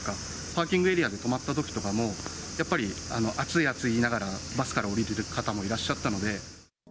パーキングエリアで止まったときとかも、やっぱり暑い、暑い、言いながら、バスから降りる方もいらっしゃったので。